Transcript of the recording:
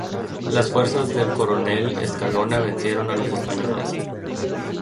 Las fuerzas del coronel Escalona vencieron a los españoles.